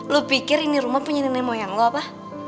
lu pikir ini rumah punya nenek moyang lo apa